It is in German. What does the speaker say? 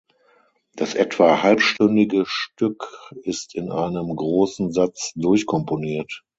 Das etwa halbstündige Stück ist in einem großen Satz durchkomponiert.